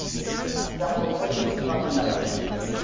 un thermomètre de Fahrenheit.